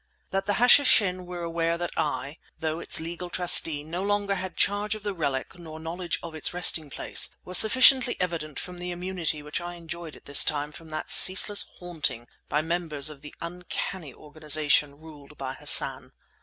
That the Hashishin were aware that I, though its legal trustee, no longer had charge of the relic nor knowledge of its resting place, was sufficiently evident from the immunity which I enjoyed at this time from that ceaseless haunting by members of the uncanny organization ruled by Hassan.